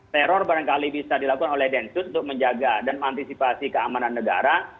teror barangkali bisa dilakukan oleh densus untuk menjaga dan mengantisipasi keamanan negara